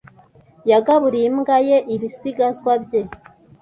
yagaburiye imbwa ye ibisigazwa bye.